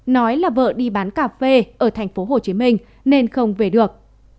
nói là vợ đi bán cà phê ở thành phố hồ chí minh nên không về được